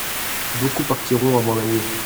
Beaucoup partiront avant la nuit.